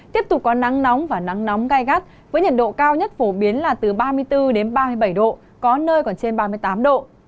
tiếp tục có nắng nóng và nắng nóng gai gắt với nhiệt độ cao nhất phổ biến là từ ba mươi bốn đến ba mươi bảy độ có nơi còn trên ba mươi tám độ